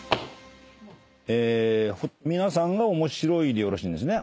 皆さんが面白いでよろしいんですね。